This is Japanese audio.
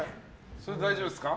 それで大丈夫ですか？